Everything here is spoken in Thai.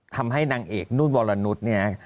ทำให้นางเอกนุ่นวรนุษย์เนี่ย